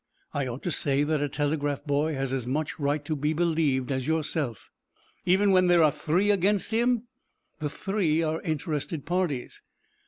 I ought to say that a telegraph boy has as much right to be believed as yourself." "Even when there are three against him?" "The three are interested parties."